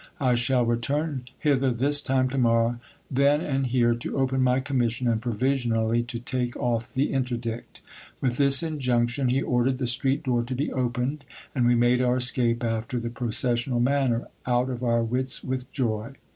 I shall return hither this time \ WHAT THEY DID AFTER THE ROBBERY OF S/MOjV. 217 to morrow, then and here to open my commission, and provisionally to take off the interdict. With this injunction, he ordered the street door to be opened, and we made our escape after the processional manner, out of our wits with joy.